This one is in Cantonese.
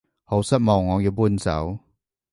好失望我要搬走